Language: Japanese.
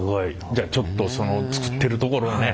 じゃあちょっとその作ってるところをね